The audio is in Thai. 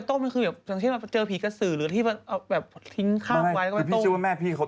หยาทางหน้าเลยยังสู้คุณนิตไม่ไข้